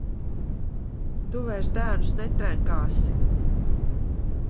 Tu vairs bērnus netrenkāsi?